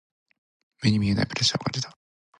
目に見えないプレッシャーを感じた。